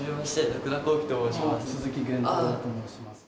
徳田光希と申します。